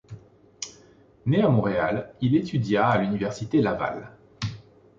Né à Montréal, il étudia à l'Université Laval.